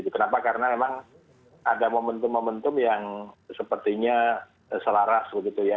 kenapa karena memang ada momentum momentum yang sepertinya selaras begitu ya